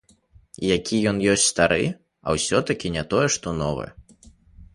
Які ён ёсць стары, а ўсё-такі не тое, што новы.